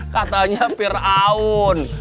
katanya pir aun